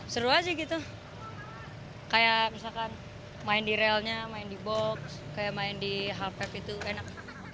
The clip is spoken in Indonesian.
seru aja gitu kayak misalkan main di relnya main di box kayak main di harvap itu enak